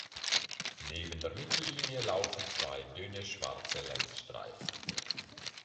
Neben der Mittellinie laufen zwei dünne schwarze Längsstreifen.